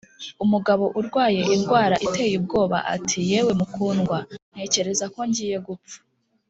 umugabo urwaye indwara iteye ubwoba ati 'yewe mukundwa!' 'ntekereza ko ngiye gupfa.'